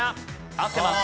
合ってます。